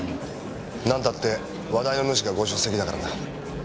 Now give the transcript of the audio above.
なんたって話題の主がご出席だからな。